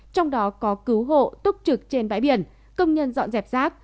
trong đó có cứu hộ túc trực trên bãi biển công nhân dọn dẹp rác